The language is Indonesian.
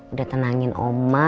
udah tenangin oma